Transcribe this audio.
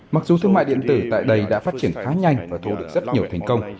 mặc dù thương mại điện tử tại đây đã phát triển khá nhanh và thu được rất nhiều thành công